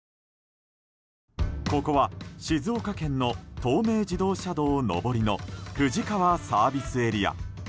ここは静岡県の東名自動車道上りの富士川ＳＡ。